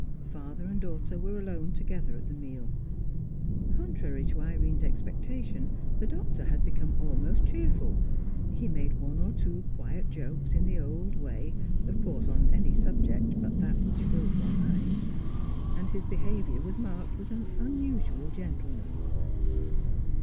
Father and daughter were alone together at the meal. Contrary to Irene's expectation, the Doctor had become almost cheerful; he made one or two quiet jokes in the old way, of course on any subject but that which filled their minds, and his behaviour was marked with an unusual gentleness.